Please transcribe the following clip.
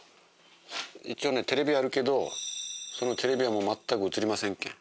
一応ねテレビあるけどそのテレビは全く映りませんけん。